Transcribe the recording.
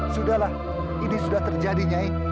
sudahlah ini sudah terjadi nyai